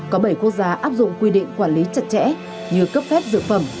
có bảy quốc gia áp dụng quy định quản lý chặt chẽ như cấp phép dược phẩm